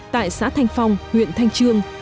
tại xã thanh phong huyện thanh trương